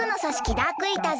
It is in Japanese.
ダークイーターズ